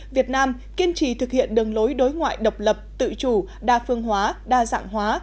việt nam kiên trì thực hiện đường lối đối ngoại độc lập tự chủ đa phương hóa đa dạng hóa